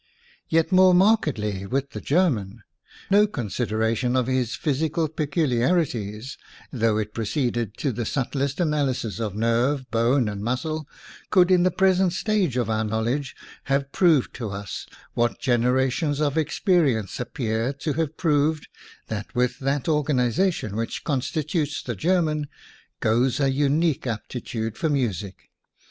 Yet more markedly, with the Ger man no consideration of his physical peculiarities, though it proceeded to the subtlest analysis of nerve, bone, and muscle, could in the present stage of our knowledge have proved to us what generations of experience appear to have proved, that, with that organiza tion which constitutes the German, goes a unique aptitude for music.